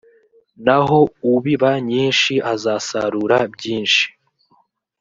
naho ubiba nyinshi azasarura byinshi